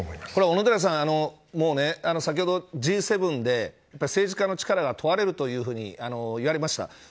小野寺さん、先ほどＧ７で政治家の力が問われるというふうに言われました。